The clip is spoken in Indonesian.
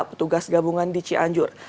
petugas gabungan di cianjur